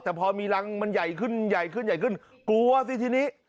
แต่พอมีรังมันใหญ่ขึ้นใหญ่ขึ้นใหญ่ขึ้นกลัวสิทีนี้